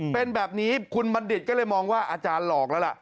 เป็นแบบนี้คุณบัณฑิตก็เลยมองว่าอาจารย์หลอกแล้วล่ะ